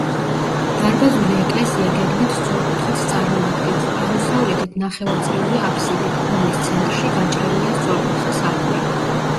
დარბაზული ეკლესია გეგმით სწორკუთხედს წარმოადგენს, აღმოსავლეთით ნახევარწრიული აბსიდით, რომლის ცენტრში გაჭრილია სწორკუთხა სარკმელი.